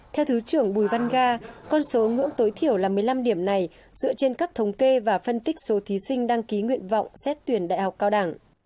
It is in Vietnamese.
theo thứ trưởng bùi văn ga con số ngưỡng tối thiểu là một mươi năm điểm này dựa trên các thống kê và phân tích số thí sinh đăng ký nguyện vọng xét tuyển đại học cao đẳng